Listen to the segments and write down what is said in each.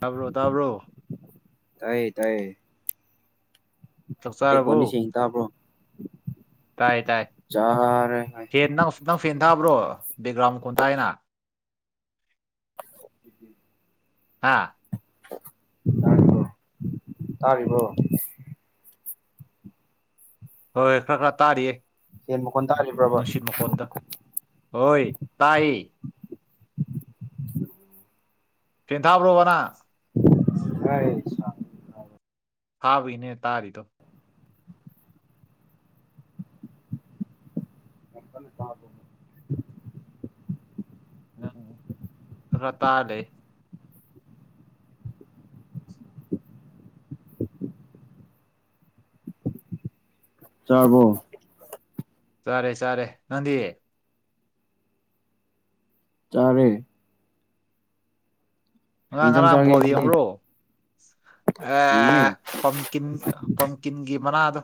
ꯇꯥꯕ꯭ꯔꯣ ꯇꯥꯕ꯭ꯔꯣ ꯇꯥꯏꯌꯦ ꯇꯥꯏꯌꯦ ꯆꯥꯛ ꯑꯩ ꯆꯥꯔꯕꯣ ꯄꯣꯟꯅꯤꯁ ꯌꯦꯡꯏ ꯇꯥꯕ꯭ꯔꯣ ꯇꯥꯏ ꯆꯥꯔꯦ ꯏꯇꯥꯎ ꯐꯦꯟ ꯊꯥꯕ꯭ꯔꯣ ꯕꯦꯛꯒ꯭ꯔꯥꯎꯟ ꯃꯈꯣꯟ ꯇꯥꯏꯌꯦꯅ [inaudible] ꯍꯥꯥ ꯇꯥꯔꯤꯕꯣ ꯍꯣꯏ ꯈ꯭ꯔ ꯈ꯭ꯔ ꯇꯥꯔꯤꯌꯦ ꯐꯦꯟ ꯃꯈꯣꯟ ꯇꯥꯔꯤꯕ꯭ꯔꯕ ꯅꯨꯡꯁꯤꯠ ꯃꯈꯣꯟꯗ ꯍꯣꯏ ꯇꯥꯏ ꯐꯦꯟ ꯊꯥꯕ꯭ꯔꯣꯕ ꯅꯪ [inaudible] ꯍꯥꯕꯩꯅꯦ ꯇꯥꯔꯤꯗꯣ [inaudible] ꯅꯪ ꯈꯔ ꯇꯥꯗꯦ ꯆꯥꯕꯣ ꯆꯥꯔꯦ ꯆꯥꯔꯦ ꯅꯪꯗꯤ ꯆꯥꯔꯦ ꯀꯩ ꯅꯡ ꯏꯟꯖꯥꯡ ꯉꯔꯥꯡ ꯆꯥꯔꯒꯦ ꯕꯣꯜ ꯉꯁꯤꯗꯤ ꯌꯦꯡꯕ꯭ꯔꯣ ꯌꯦꯡꯉꯦ ꯑꯦ ꯄꯝꯀꯤꯟ ꯄꯝꯀꯤꯟꯒꯤ ꯃꯅꯥꯗꯣ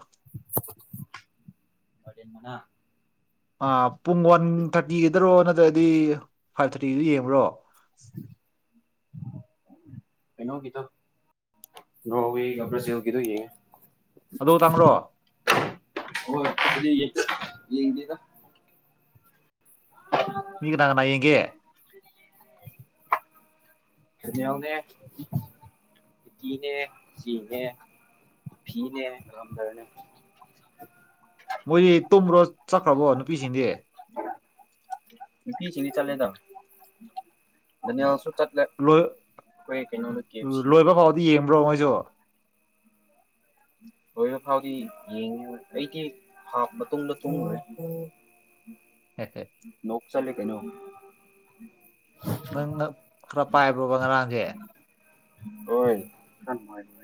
ꯃꯔꯦꯟ ꯃꯅꯥ ꯄꯨꯡ ꯋꯥꯟ ꯊꯥꯔꯇꯤꯒꯗꯔꯣ ꯅꯠꯇ꯭ꯔꯒꯗꯤ ꯐꯥꯏꯚ ꯊꯥꯔꯇꯤꯒꯤꯗ ꯌꯦꯡꯕ꯭ꯔꯣ [inaudible] ꯀꯩꯅꯣꯒꯤꯗ ꯅꯣꯔꯋꯦꯒ ꯕ꯭ꯔꯥꯖꯤꯜꯒꯤꯗꯣ ꯌꯦꯡꯉꯦ ꯑꯗꯣ ꯇꯥꯡꯕ꯭ꯔꯣ [unintelligible] ꯌꯦꯡꯗꯦꯔ ꯃꯤ ꯀꯅꯥ ꯀꯥꯅ ꯌꯦꯡꯒꯦ [unintelligible] [unintelligible] [inaudible] ꯃꯣꯏꯗꯤ ꯇꯣꯕ꯭ꯔꯣ ꯆꯠꯈ꯭ꯔꯕꯣ ꯅꯨꯄꯤꯁꯤꯡꯗꯤ ꯅꯨꯄꯤꯁꯤꯡꯁꯤꯗꯤ ꯆꯠꯂꯦꯗꯥ [unintelligible] ꯆꯠꯂꯦ ꯂꯣꯏ ꯑꯩꯈꯣꯏ ꯀꯩꯅꯣꯗ ꯀꯦ ꯑꯦꯐ ꯁꯤꯗ ꯃꯤ ꯌꯦꯡꯕ꯭ꯔꯣ ꯃꯣꯏꯁꯨ ꯂꯣꯏꯕ ꯐꯥꯎꯗꯤ ꯌꯦꯡꯗꯦꯗꯥ ꯑꯩꯗꯤ ꯍꯥꯞ ꯃꯇꯨꯡꯗ ꯇꯨꯝꯈꯔ꯭ꯦ ꯎꯝ ꯍꯦ ꯍꯦ ꯅꯣꯛꯆꯠꯂꯦ ꯀꯩꯅꯣ ꯅꯪꯅꯥ ꯈꯔ ꯄꯥꯏꯕ꯭ꯔꯣꯕ ꯉꯔꯥꯡꯗꯤ ꯍꯣꯏ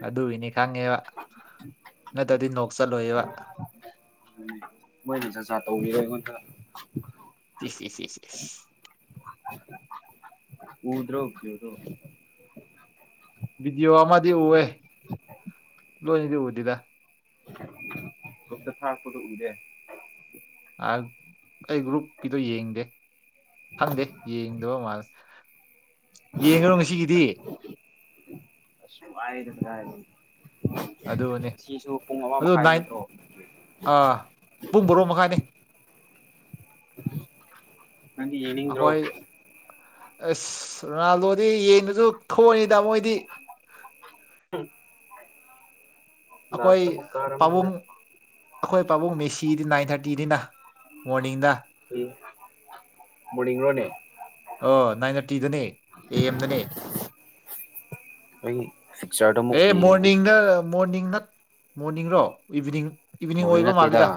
ꯑꯗꯨꯒꯤꯅꯤ ꯈꯪꯉꯦꯕ ꯅꯠꯇ꯭ꯔꯗꯤ ꯅꯣꯛ ꯆꯠꯂꯣꯏꯕꯥ ꯃꯣꯏꯅ ꯖꯠ ꯖꯠ ꯇꯧꯕꯤꯔꯦ ꯑꯩꯉꯣꯟꯗ ꯏꯁ ꯏꯁ ꯏꯁ ꯏꯁ [unintelligible] ꯚꯤꯗꯤꯑꯣ ꯑꯃꯗꯤ ꯎꯑꯦ ꯅꯣꯏ ꯑꯅꯤꯗꯤ ꯎꯗꯦꯗ ꯒ꯭ꯔꯨꯞꯇꯥ ꯊꯥꯔꯛꯄꯗꯣ ꯎꯗꯦ ꯑꯩ ꯒ꯭ꯔꯨꯞꯀꯤꯗꯣ ꯌꯦꯡꯗꯦ ꯈꯪꯗꯦ ꯌꯦꯡꯗꯕ ꯃꯥꯜꯂꯦ ꯌꯦꯡꯉ꯭ꯔꯣ ꯉꯁꯤꯒꯤꯗꯤ ꯑꯁ ꯋꯔꯦꯗꯥ ꯀꯥꯗꯥꯏꯗꯩꯅꯣ ꯑꯗꯨꯅꯦ ꯁꯤꯁꯨ ꯄꯨꯡ ꯑꯃ ꯑꯗꯨ ꯃꯈꯥꯏ ꯅꯥꯏꯟ ꯅꯠꯇ꯭ꯔꯣ ꯑꯥ ꯄꯨꯡ ꯕꯣꯔꯣ ꯃꯈꯥꯏꯅꯤ ꯅꯪꯗꯤ ꯌꯦꯡꯅꯤꯡꯗ꯭ꯔꯣ ꯑꯩꯈꯣꯏ ꯑꯁ ꯔꯣꯅꯥꯜꯗꯣꯗꯤ ꯌꯦꯡꯗꯔ꯭ꯁꯨ [unintelligible] ꯃꯣꯏꯗꯤ ꯎꯝ ꯑꯩꯈꯣꯏ ꯄꯥꯕꯨꯡ ꯑꯩꯈꯣꯏ ꯄꯥꯕꯨꯡ ꯃꯦꯁꯤꯗꯤ ꯅꯥꯏꯟ ꯊꯥꯔꯇꯤꯅꯤꯅ ꯃꯣꯔꯅꯤꯡꯗ ꯑꯥꯏ ꯃꯅꯤꯡꯔꯣꯅꯦ ꯑꯣ ꯅꯥꯏꯟ ꯊꯥꯔꯇꯤꯗꯅꯦ ꯑꯦ ꯑꯦꯝꯗꯅꯦ ꯑꯩ ꯄꯤꯛꯆꯔꯗ ꯑꯃꯨꯛ ꯑꯦ ꯌꯦꯡꯒꯦ ꯃꯣꯔꯅꯤꯡꯗ ꯃꯣꯔꯅꯤꯡ ꯅꯠ ꯃꯣꯔꯅꯤꯡꯔꯣ ꯏꯚꯤꯅꯤꯡ ꯏꯚꯅꯤꯡ ꯃꯣꯔꯅꯤꯡ ꯑꯣꯏꯕ ꯅꯠꯇꯦꯗ ꯃꯥꯜꯜꯂꯤꯦꯗ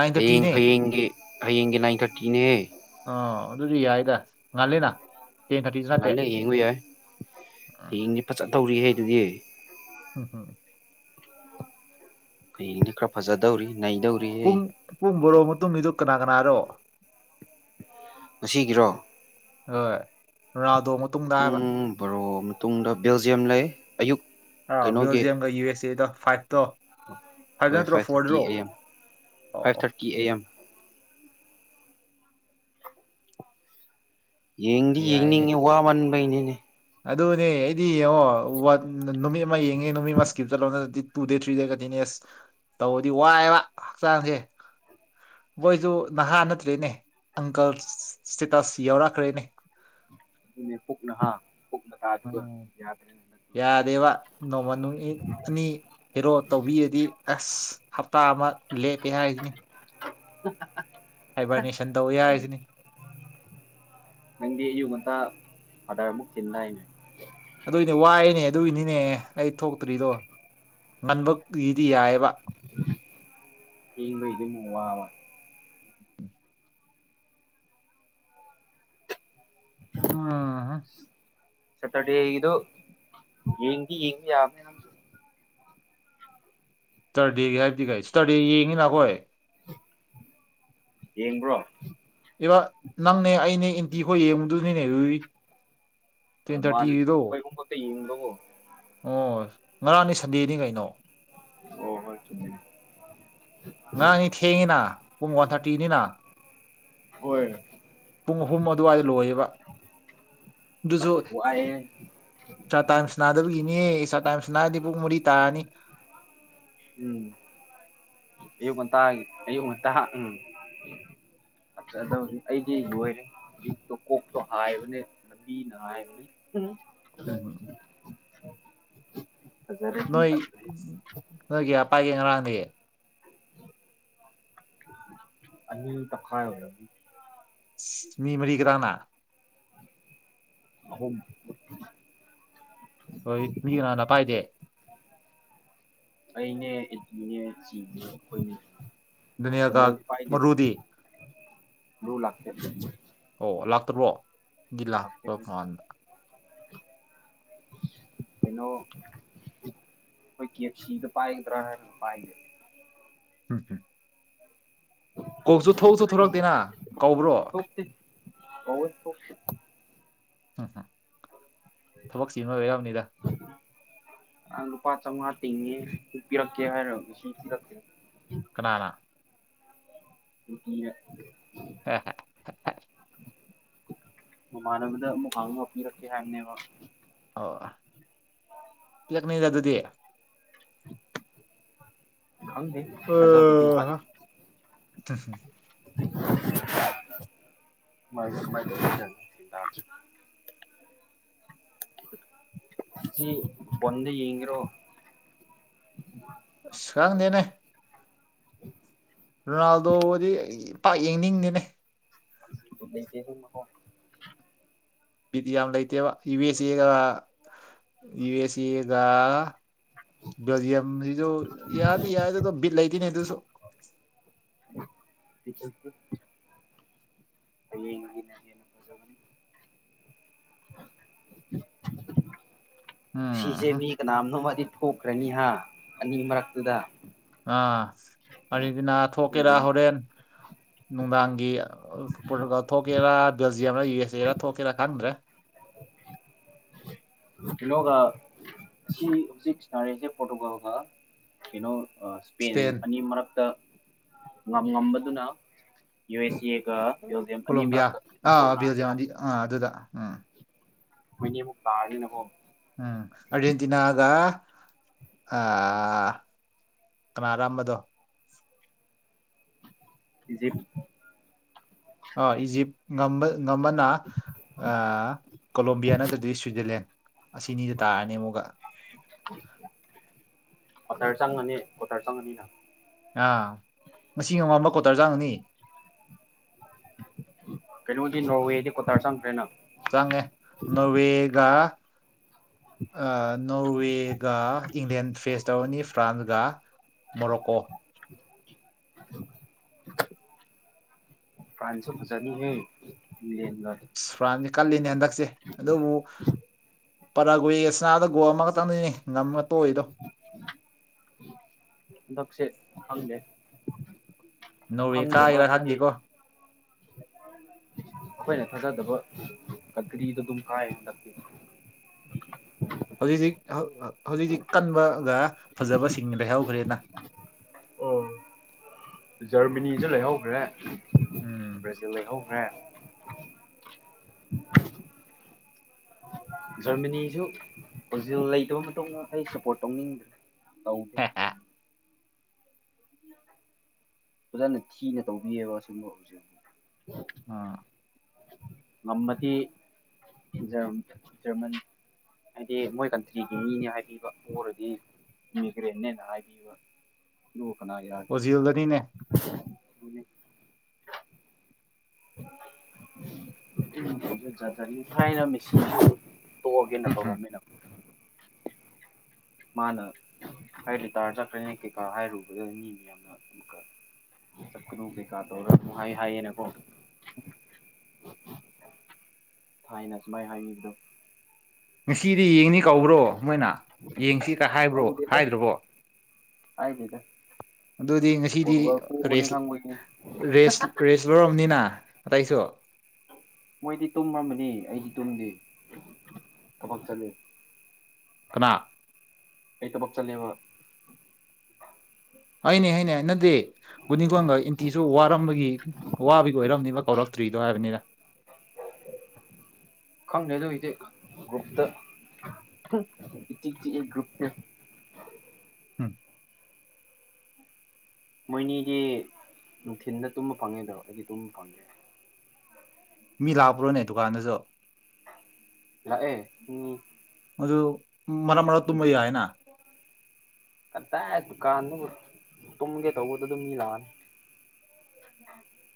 ꯅꯥꯏꯟ ꯊꯥꯔꯇꯤꯅꯦ [unintelligible] ꯍꯌꯦꯡꯒꯤ ꯅꯥꯏꯟ ꯊꯥꯔꯇꯤꯅꯦ ꯑ ꯑꯗꯨꯗꯤ ꯌꯥꯏꯗ ꯉꯜꯂꯤꯅ ꯇꯦꯟ ꯊꯥꯔꯇꯤꯁꯨ ꯅꯠꯇꯦ ꯌꯦꯡꯕꯥ ꯌꯥꯏ ꯎꯝ ꯍꯌꯦꯡꯗꯤ ꯐꯖꯠ ꯇꯧꯔꯤꯍꯦ ꯑꯗꯨꯗꯤ ꯎꯝ ꯍꯝ ꯍꯌꯦꯡꯗꯤ ꯈꯔ ꯐꯖꯗꯧꯔꯤ ꯅꯩꯗꯧꯔꯤ ꯄꯨꯡ ꯄꯨꯡ ꯕꯣꯔꯣ ꯃꯇꯨꯡ ꯒꯤꯗꯨ ꯀꯅꯥ ꯀꯅꯥꯔꯣ ꯉꯥꯁꯤꯒꯤꯔꯣ ꯍꯣꯏ ꯔꯣꯅꯥꯜꯗꯣ ꯃꯇꯨꯡꯗ ꯍꯥꯏꯕ ꯄꯨꯡ ꯕꯥꯔꯣ ꯃꯇꯨꯡꯗ ꯕꯦꯜꯖꯤꯌꯝ ꯂꯩ ꯑꯌꯨꯛ ꯑ ꯀꯩꯅꯣꯒꯤ ꯕꯦꯜꯖꯤꯌꯝꯒ ꯌꯨ ꯑꯦꯁ ꯑꯦꯗ ꯐꯥꯏꯠꯇꯣ ꯍꯥꯏ ꯍꯣꯏ ꯅꯠꯇ꯭ꯔꯣ ꯐꯣꯔꯗ꯭ꯔꯣ ꯑ ꯑꯣ ꯑꯣ ꯀꯤ ꯑꯦ ꯑꯦꯝ ꯌꯦꯡꯗꯤ ꯌꯥꯏꯅꯦ ꯌꯦꯡꯅꯤꯡꯉꯦ ꯋꯥꯃꯟꯕꯩꯅꯤꯅꯦ ꯑꯗꯨꯅꯦ ꯑꯩꯗꯤ ꯌꯦꯡꯉꯣ ꯅꯨꯃꯤꯠ ꯑꯃ ꯌꯦꯡꯉꯦ ꯅꯨꯃꯤꯠ ꯑꯃ ꯏꯁꯀꯤꯞ ꯆꯠꯂꯣꯗꯗꯤ two day three day continuous ꯇꯧꯔꯗꯤ ꯋꯥꯏꯑꯦꯕ ꯍꯛꯆꯥꯡꯁꯦ ꯃꯣꯏꯁꯨ ꯅꯍꯥ ꯅꯠꯇ꯭ꯔꯦꯅꯦ ꯑꯪꯀꯜ ꯁ꯭ꯇꯦꯇꯁ ꯌꯥꯎꯔꯛꯈ꯭ꯔꯦꯅꯦ ꯄꯨꯛꯅ ꯍꯥ ꯎꯝ ꯌꯥꯗ ꯌꯥꯗꯦꯕ ꯅꯣꯡꯃ ꯅꯨꯉꯤꯠ ꯑꯅꯤ ꯍꯦꯔꯣ ꯇꯧꯕꯤꯔꯗꯤ ꯑꯁ ꯍꯞꯇꯥ ꯑꯃ ꯂꯦꯞꯀꯦ ꯍꯥꯏꯅꯤ ꯇꯧꯋꯦ ꯍꯥꯏꯁꯤꯅꯤ [unintelligible] ꯅꯪꯗꯤ ꯑꯌꯨꯛ ꯉꯟꯇꯥ ꯑꯣꯗ꯭ꯔ ꯑꯃꯨꯛ ꯆꯤꯟꯗꯥꯏꯅꯦ ꯑꯗꯨꯏꯅꯦ ꯋꯥꯏꯅꯦ ꯑꯗꯨꯒꯤꯅꯤꯅꯦ ꯑꯩ ꯊꯣꯛꯇ꯭ꯔꯤꯗꯣ ꯉꯟꯕꯒꯤꯗꯤ ꯌꯥꯏꯑꯕ ꯍꯕ ꯏꯗ ꯃꯨ ꯋꯥ [inaudible] ꯑꯍꯥ ꯁꯇꯔꯗꯦꯒꯤꯗꯨ ꯌꯦꯡꯗꯤ ꯌꯦꯡ ꯌꯥꯕꯅꯦ ꯅꯪꯁꯨ ꯁꯔꯗꯦꯒꯤ ꯍꯥꯏꯕꯗꯤ ꯀꯩ ꯁꯇꯔꯗꯦ ꯌꯦꯡꯉꯤꯅ ꯑꯩꯈꯣꯏ ꯌꯦꯡꯕ꯭ꯔꯣ ꯏꯕ ꯅꯪꯅꯦ ꯑꯩꯅꯦ ꯑꯦꯟꯇꯤ ꯍꯣꯏ ꯌꯦꯡꯉꯨꯗꯨꯅꯤꯅꯦꯔꯨꯏ ꯑꯣ ꯃꯥꯅꯦ ꯑꯩꯈꯣꯏꯨꯝꯕꯠꯇ ꯌꯦꯡꯗꯕꯣ ꯑꯣ ꯉꯔꯥꯡꯅꯤ ꯁꯟꯗꯦꯗꯤ ꯀꯩꯅꯣ ꯍꯣ ꯍꯣꯏ ꯆꯨꯝꯃꯤ ꯉꯔꯥꯡꯅꯤ ꯊꯦꯡꯉꯤꯅ ꯄꯨꯡ ꯋꯥꯟ ꯊꯥꯔꯇꯤꯅꯤꯅ ꯍꯣꯏ ꯄꯨꯡ ꯑꯍꯨꯝ ꯑꯗꯨꯋꯥꯏꯗ ꯂꯣꯏꯌꯦꯕ ꯑꯗꯨꯁꯨ ꯋꯥꯏꯌꯦ ꯆ ꯇꯥꯏꯝꯁ ꯅꯥꯗꯕꯒꯤꯅꯦ [inaudible] ꯇꯥꯏꯝ ꯁꯅꯥꯔꯗꯤ ꯄꯨꯡ ꯃꯨꯔꯤ ꯇꯥꯅꯤ [unintelligible] ꯑꯌꯨꯛ ꯉꯥꯟꯇꯒꯤ ꯑꯌꯨꯛ ꯉꯥꯟꯇ ꯎꯝ [inaudible] ꯑꯩꯗꯤ ꯂꯣꯏꯔꯦ [unintelligible] [unintelligible] ꯐꯖꯔꯦ ꯑꯗꯨꯝ ꯅꯣꯏ ꯐꯖꯔꯦ ꯅꯣꯏꯒꯤ ꯑꯄꯥꯒꯤ ꯉꯔꯥꯡꯅꯦ ꯑꯅꯤꯜ ꯇꯈꯥ [unintelligible] ꯃꯤ ꯃꯔꯤ ꯀꯅꯥ ꯀꯅꯥ ꯑꯍꯨꯝ ꯍꯣꯏ ꯃꯤꯒꯤ ꯀꯅꯥꯅ ꯄꯥꯏꯗꯦ ꯑꯩꯅꯦ ꯏꯠꯂꯤꯅꯦ ꯆꯤꯅꯦ ꯑꯩꯈꯣꯏꯅꯤ ꯗꯨꯅꯤꯌꯥꯒ ꯃꯔꯨꯗꯤ [unintelligible] ꯑꯣ ꯂꯥꯛꯇ꯭ꯕꯔꯣ [unintelligible] [inaudible] ꯀꯩꯅꯣ ꯑꯩꯈꯣꯏ ꯀꯁꯤꯗ ꯄꯒꯗ꯭ꯔꯥ [unintelligible] [unintelligible] ꯀꯣꯜꯁꯨ ꯊꯣꯛꯁꯨ ꯊꯣꯔꯛꯇꯦꯅ ꯀꯧꯕ꯭ꯔꯣ ꯊꯣꯛꯇꯦ [unintelligible] ꯎꯝ ꯊꯕꯛꯁꯤꯕ ꯑꯣꯏꯕ ꯌꯥꯕꯅꯤꯗ ꯑ ꯂꯨꯄꯥ ꯆꯧꯉꯥ ꯇꯤꯡꯉꯦ ꯄꯤꯔꯛꯀꯦ ꯍꯥꯏꯔꯣ ꯀꯅꯥ [unintelligible] [unintelligible] ꯃꯃꯥꯅꯕꯗ ꯑꯃꯨꯛ ꯍꯪꯉꯥ ꯄꯤꯔꯛꯀꯦ ꯍꯥꯏꯕꯅꯦꯕ ꯑꯣ ꯄꯤꯂꯛꯅꯤꯗ ꯑꯗꯨꯗꯤ ꯈꯪꯗꯦ ꯊꯥꯖꯕꯗꯤ ꯑꯣ ꯍꯥ ꯋꯥꯠꯂꯤ [unintelligible] ꯉꯁꯤ ꯐꯣꯟꯗ ꯌꯦꯡꯒꯦꯔꯣ ꯑꯁ ꯈꯪꯗꯦꯗ ꯔꯣꯅꯥꯜꯗꯣꯕꯨꯗꯤ ꯏ ꯄꯥꯛ ꯌꯦꯡꯅꯤꯡꯗꯦ [unintelligible] ꯗꯤ ꯌꯥꯝ ꯂꯩꯇꯦꯕ ꯌꯨ ꯑꯦꯁ ꯑꯦꯒ ꯌꯨ ꯑꯦꯁ ꯑꯦꯒ ꯕꯥꯔꯁꯤꯜ ꯒꯤꯁꯨ ꯌꯥꯗꯤ ꯌꯥꯏ ꯑꯗꯨꯒ ꯕꯤꯠ ꯂꯩꯇꯅꯦ ꯇꯨꯁꯨ [unintelligible] ꯍꯌꯦꯡ [unintelligible] [unintelligible] ꯁꯤꯁꯦ ꯎꯝ ꯃꯤ ꯀꯅꯥꯝꯅꯣꯃꯗꯤ ꯊꯣꯛꯈ꯭ꯔꯅꯤ ꯍꯥꯏ ꯑꯅꯤ ꯃꯔꯛꯇꯨꯗ ꯑꯥ ꯑꯗꯨꯗꯤꯅ ꯊꯣꯛꯀꯦꯔꯥ ꯑꯗꯨꯗꯅꯤ ꯍꯣꯔꯦꯟ ꯅꯨꯡꯗꯥꯡꯒꯤ ꯄꯣꯔꯇꯨꯒꯥꯜ ꯊꯣꯛꯀꯦꯔꯥ ꯕꯦꯜꯖꯤꯌꯝꯔ ꯌꯨ ꯑꯦꯁ ꯑꯦꯔꯥ ꯊꯣꯛꯀꯦꯔꯥ ꯈꯪꯗ꯭ꯔꯦ ꯀꯩꯅꯣꯒ ꯁꯤ ꯍꯧꯖꯤꯛ ꯁꯅꯔꯤꯁꯦ ꯄꯣꯔꯇꯨꯒꯜꯒ ꯀꯩꯅꯣ ꯄꯦꯟ ꯏꯁꯄꯦꯟ ꯑꯅꯤ ꯃꯔꯛꯇ ꯉꯝ ꯉꯝꯕꯗꯨꯅ ꯌꯨ ꯑꯦꯁ ꯑꯦꯒ ꯕꯦꯜꯖꯤꯌꯝ ꯑꯅꯤ ꯀꯣꯂꯣꯝꯕꯤꯌꯥ ꯃꯔꯛꯇ ꯑꯃꯨꯛ ꯑꯥ ꯇꯧꯅꯔꯅꯤꯅ ꯕꯦꯜꯖꯤꯌꯝꯗꯤ ꯑꯥ ꯑꯗꯨꯗ ꯎꯝ ꯃꯣꯏꯅꯤ ꯑꯃꯨꯛ ꯇꯥꯔꯅꯤꯅꯀꯣ ꯎꯝ ꯑꯔꯖꯦꯟꯇꯤꯅꯥꯒ ꯑ ꯀꯅꯥ ꯑꯔꯝꯕꯗꯣ ꯏꯖꯤꯞ ꯑ ꯏꯖꯤꯞꯇ ꯉꯝꯃꯅ ꯀꯣꯂꯣꯕꯤꯌꯥ ꯅꯠꯇ꯭ꯔꯗꯤ ꯁ꯭ꯋꯤꯖꯔꯂꯦꯟ ꯑꯁꯤꯅꯤꯗ ꯇꯥꯔꯅꯤ ꯑꯃꯨꯛꯒ ꯑꯣꯇꯔ ꯆꯪꯉꯅꯤ ꯑꯣꯇꯔ ꯆꯪꯉꯅꯤꯅ ꯑꯥ ꯉꯁꯤ ꯉꯣꯡꯉꯝꯕ ꯀꯣꯇꯔꯖꯥꯡꯅꯤ ꯆꯥꯡꯉꯥꯅꯤ ꯀꯩꯅꯣꯗꯤ ꯅꯣꯔꯋꯦꯗꯤ ꯀꯣꯇꯥꯔ ꯆꯪꯗ꯭ꯔꯦꯅ ꯆꯥꯡꯉꯦ ꯅꯋꯦꯒ ꯅꯣꯔꯋꯦꯒ ꯏꯪꯂꯦꯟ ꯐꯦꯁ ꯇꯧꯔꯅꯤ ꯐ꯭ꯔꯥꯟꯁꯒ ꯃꯣꯔꯣꯛꯀꯣ [unintelligible] ꯐꯔꯥꯟꯆ ꯐꯖꯥꯅꯤꯍꯦ ꯑꯦꯡꯂꯪꯒ ꯁ꯭ꯔꯥꯟꯁꯦ ꯀꯜꯂꯤꯅꯦ ꯍꯟꯗꯛꯁꯦ ꯑꯗꯨꯕꯨ ꯄꯔꯥꯒꯨꯏꯁꯅꯥꯗꯣ ꯒꯣꯜ ꯑꯃꯈꯛꯇꯪꯗꯅꯤ ꯉꯝꯃ ꯇꯣꯏꯗꯣ ꯍꯟꯗꯛꯁꯦ ꯈꯪꯗꯦ ꯅꯣꯔꯋꯦ ꯈꯪꯗꯕ ꯀꯥꯒꯦꯔ ꯈꯟꯗꯦꯀꯣ ꯑꯈꯣꯏꯅ ꯊꯥꯖꯗꯕ ꯀꯟꯀ꯭ꯔꯤꯗꯨ ꯑꯗꯨꯝ ꯀꯥꯏ ꯍꯟꯁꯛꯇꯤ ꯍꯧꯖꯤꯛꯇꯤ ꯍꯧ ꯍꯧꯖꯤꯛ ꯀꯟꯕꯒ ꯐꯖꯕꯁꯤꯡ ꯂꯩꯍꯧꯒ꯭ꯔꯦꯅ ꯑꯣ ꯖꯔꯃꯅꯤꯖꯨ ꯂꯩꯍꯧꯒ꯭ꯔꯦ ꯎꯝ ꯕ꯭ꯔꯖꯤꯜ ꯂꯩꯍꯧꯒ꯭ꯔꯦ ꯖꯔꯃꯅꯤꯖꯨ [unintelligible] ꯂꯩꯇꯕ ꯃꯇꯨꯡꯗ ꯑꯩ ꯁꯞꯄꯣꯔꯠ ꯇꯧꯅꯤꯡꯗ꯭ꯔꯦ [unintelligible] ꯐꯖꯅ ꯊꯤꯅ ꯇꯧꯕꯤꯑꯕ ꯁꯨꯝꯕ ꯍꯧꯖꯤꯛ ꯑꯥ ꯉꯝꯃꯗꯤ ꯖꯔꯝ ꯖꯔꯃꯅꯤ ꯍꯥꯏꯗꯤ ꯃꯣꯏ ꯀꯟꯇ꯭ꯔꯤꯒꯤ ꯃꯤꯅꯦ ꯍꯥꯏꯕꯤꯕ ꯄꯣꯔꯗꯤ ꯏꯃꯤꯒ꯭ꯔꯦꯟꯅꯦꯅ ꯍꯥꯏꯕꯤꯕ [unintelligible] ꯀꯅꯥꯒꯤꯔꯥ ꯖꯤꯜꯗꯅꯤꯅꯦ [unintelligible] ꯊꯥꯏꯅ [unintelligible] ꯇꯣꯛꯑꯒꯦꯅ ꯎꯝ ꯎꯝ ꯇꯧꯔꯝꯃꯤꯅ ꯃꯥꯅ ꯑꯩ ꯂꯤꯇꯥꯔ ꯆꯠꯈ꯭ꯔꯅꯦ ꯀꯩꯀꯥ ꯍꯥꯏꯔꯨꯕꯗ ꯃꯤ ꯃꯌꯥꯝꯅ ꯑꯃꯨꯛꯀ ꯆꯠꯀꯅꯨ ꯀꯩꯀꯥ ꯇꯧꯔ ꯑꯃꯨꯛ ꯍꯥꯏ ꯍꯥꯏꯌꯦꯅ ꯀꯣ ꯊꯥꯏꯅ ꯁꯨꯃꯥꯏꯅ ꯍꯥꯏꯅꯤꯕꯗꯣ ꯉꯁꯤꯗꯤ ꯌꯦꯡꯅꯤ ꯀꯧꯕ꯭ꯔꯣ ꯃꯣꯏꯅ ꯌꯦꯡꯁꯤꯀ ꯍꯥꯏꯕ꯭ꯔꯣ ꯀꯧꯗꯦꯗ ꯍꯥꯏꯗꯔ꯭ꯕꯣ ꯍꯥꯏꯗꯦꯗ ꯑꯗꯨꯗꯤ ꯉꯁꯤꯗꯤ ꯄꯣꯔꯇꯨꯒꯜ ꯄꯣꯕꯅꯤ ꯔꯦꯁ ꯈꯪꯕꯒꯤꯅꯤ ꯔꯦꯁ ꯔꯦꯁ ꯂꯧꯔꯝꯅꯤꯅ ꯑꯇꯩꯁꯨ ꯃꯣꯏꯗꯤ ꯇꯨꯝꯔꯝꯃꯅꯤ ꯑꯩꯗꯤ ꯇꯨꯝꯗꯦ ꯊꯕꯛ ꯆꯠꯂꯦ ꯀꯅꯥ ꯑꯩ ꯇꯕꯛ ꯆꯠꯂꯦꯕ ꯍꯣꯏꯅꯦ ꯍꯥꯏꯅꯦ ꯅꯗꯤ [unintelligible] ꯋꯥꯔꯝꯕꯒꯤ ꯋꯥꯔꯝꯕꯒꯤ ꯋꯥꯕꯩ ꯑꯣꯏꯔꯝꯅꯤꯕ ꯀꯧꯔꯛꯇ꯭ꯔꯤꯗꯣ ꯍꯥꯏꯕꯅꯤꯗ [inaudible] ꯈꯪ ꯍꯨꯏꯛꯇꯤ ꯒ꯭ꯔꯨꯞꯇ ꯏꯆꯤꯛ ꯆꯤꯛꯑꯦ ꯒ꯭ꯔꯨꯞꯁꯦ [unintelligible] ꯃꯣꯏꯅꯤꯗꯤ ꯅꯨꯡꯊꯤꯟꯗ ꯇꯨꯝꯕ ꯐꯪꯉꯦꯗꯣ ꯑꯩꯗꯤ ꯇꯨꯝꯕ ꯐꯪꯗꯦ ꯃꯤ ꯂꯥꯄ꯭ꯔꯣꯅꯦ ꯗꯨꯀꯥꯟꯗꯁꯨ ꯂꯥꯛꯑꯦ ꯃꯤ ꯑꯗꯨ ꯃꯔꯛ ꯃꯔꯛ ꯇꯨꯝꯕ ꯌꯥꯏꯌꯦꯅ [inaudible] ꯀꯗꯥꯏ ꯗꯨꯀꯥꯟꯗꯕꯨ ꯇꯨꯝꯒꯦ ꯇꯧꯕꯗꯗꯨꯝ ꯃꯤ ꯂꯥꯛꯑꯅꯤ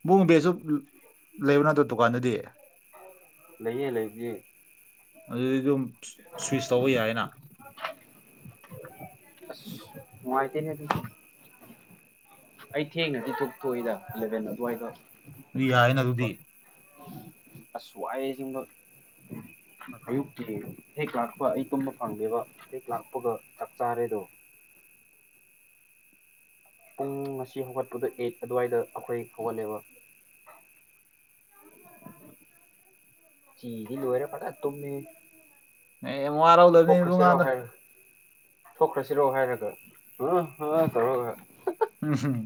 ꯕꯨꯡ ꯕꯦꯖꯨꯞ ꯂꯩꯕ ꯅꯠꯇ꯭ꯔꯣ ꯗꯨꯀꯥꯟꯗꯗꯤ ꯂꯩꯌꯦ ꯂꯩꯕꯗꯤ ꯑꯗꯨꯗꯤ ꯑꯗꯨꯝ ꯁ꯭ꯋꯤꯁ ꯇꯧꯕ ꯌꯥꯏꯅ ꯑꯁ ꯅꯨꯉꯥꯏꯇꯦꯅꯦ ꯑꯗꯨꯁꯨ ꯑꯩ ꯊꯦꯡꯅꯗꯤ ꯇꯨꯝꯊꯣꯛꯑꯣꯏꯗ ꯏꯂꯚꯦꯟ ꯑꯗ꯭ꯋꯥꯏꯗ ꯌꯥꯏꯅ ꯑꯗꯨꯗꯤ ꯑꯁ ꯋꯥꯏꯌꯦ ꯑꯁꯦꯡꯕ [inaudible] ꯑꯌꯨꯛꯇꯤ ꯍꯦꯛ ꯂꯥꯛꯄ ꯑꯩ ꯇꯨꯝꯕ ꯐꯪꯗꯦꯕ ꯍꯦꯛ ꯂꯥꯛꯄꯒ ꯆꯥꯛ ꯆꯥꯔꯦꯗꯣ ꯄꯨꯡ ꯉꯁꯤ ꯍꯧꯒꯠꯄꯗ ꯑꯩꯠ ꯑꯗꯨꯋꯥꯏꯗ ꯑꯩꯈꯣꯏ ꯍꯧꯒꯠꯂꯦꯕ ꯆꯤꯗꯤ ꯂꯣꯏꯔ ꯐꯖ ꯇꯨꯝꯃꯦ ꯑꯦ ꯋꯥꯔꯧꯗꯕꯅꯤ ꯑꯗꯨ ꯊꯣꯛꯈ꯭ꯔꯁꯤꯔꯣ ꯉꯥꯟꯗ ꯍꯥꯏꯔ ꯊꯣꯛꯈ꯭ꯔꯁꯤꯔꯣ ꯍꯥꯏꯔꯒ ꯍꯪ ꯍꯥ ꯇꯧꯔꯒ ꯎꯝꯍꯝ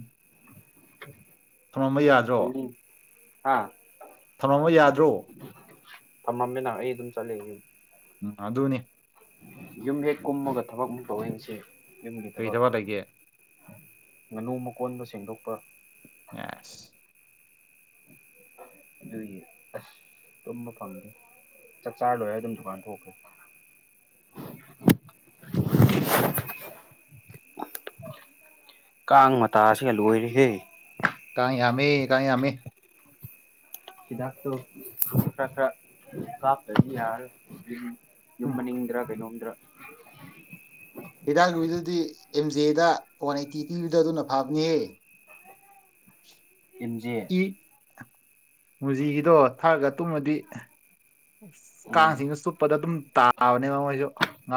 ꯊꯝꯃꯝꯕ ꯌꯥꯗ [unintelligible] ꯍꯥ ꯊꯝꯃꯝꯕ ꯌꯥꯗ꯭ꯔꯣ ꯊꯝꯃꯝꯃꯦꯅ ꯑꯩ ꯑꯗꯨꯝ ꯆꯠꯂꯦ ꯌꯨꯝ ꯎꯝ ꯑꯗꯨꯅꯤ ꯌꯨꯝ ꯍꯦꯛ ꯀꯨꯝꯃꯒ ꯊꯕꯛꯃꯨꯛ ꯇꯧꯌꯦ ꯉꯁꯤ ꯌꯨꯝꯒꯤ ꯀꯔꯤ ꯊꯕꯛ ꯂꯩꯒꯦ ꯉꯥꯅꯨ ꯃꯀꯣꯟꯗꯣ ꯁꯦꯡꯗꯣꯛꯄ ꯉꯁ ꯑꯗꯨꯒꯤ ꯑꯁ ꯇꯨꯝꯕ ꯐꯪꯗꯦ ꯆꯥꯛ ꯆꯥꯔ ꯂꯣꯏꯔ ꯑꯗꯨꯝ ꯗꯨꯀꯥꯟ ꯊꯣꯛꯈ꯭ꯔꯦ ꯀꯥꯡ ꯃꯇꯥꯁꯤꯒ ꯂꯣꯏꯔꯦꯍꯦ ꯀꯥꯡ ꯌꯥꯝꯃꯦ ꯀꯥꯡ ꯌꯥꯝꯃꯦ ꯍꯤꯗꯥꯛꯇꯣ ꯈ꯭ꯔ ꯈ꯭ꯔ ꯀꯞꯇ꯭ꯔꯗꯤ ꯌꯥꯔꯔꯣꯏ ꯌꯨꯝ ꯎꯝ ꯃꯅꯤꯡꯗ꯭ꯔꯥ ꯀꯩꯅꯣꯝꯗ꯭ꯔꯥ ꯍꯤꯗꯥꯛ [unintelligible] ꯗꯨꯗꯤ ꯑꯦꯝ ꯖꯦꯗ ꯋꯥꯟ ꯑꯩꯠꯇꯤ ꯄꯤꯕꯗꯣ ꯑꯗꯨꯅ ꯐꯕꯅꯦꯍꯦ ꯑꯦꯝ ꯖꯦ ꯏ ꯃꯨꯖꯤꯒꯤꯗꯣ ꯊꯛꯑꯒ ꯇꯨꯝꯃꯗꯤ ꯎꯝ ꯀꯥꯡꯁꯤꯡꯅ ꯁꯨꯞꯄꯗ ꯑꯗꯨꯝ ꯇꯥꯕꯅꯦꯕ ꯃꯣꯏꯖꯨ